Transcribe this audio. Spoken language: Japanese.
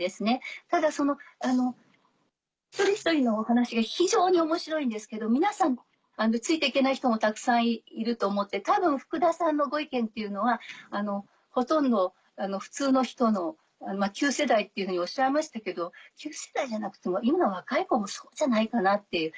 ただその一人一人のお話が非常に面白いんですけど皆さんついて行けない人もたくさんいると思って多分福田さんのご意見っていうのはほとんど普通の人の世代っていうふうにおっしゃいましたけど世代じゃなくても今若い子もそうじゃないかなっていう。